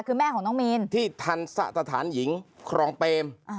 คือแม่ของน้องมีนที่ทันสะสถานหญิงครองเปม